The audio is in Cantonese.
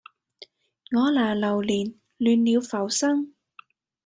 我拿流年，亂了浮生